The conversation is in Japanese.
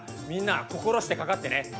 みんな心してかかってね。